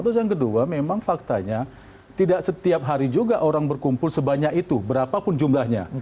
terus yang kedua memang faktanya tidak setiap hari juga orang berkumpul sebanyak itu berapapun jumlahnya